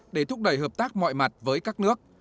để thúc đẩy hợp tác mọi mặt với các nước